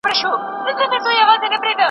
هغوی د وجایبو او مسولیتونو لرونکي دي.